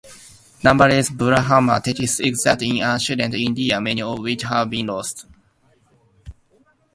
Numerous "Brahmana" texts existed in ancient India, many of which have been lost.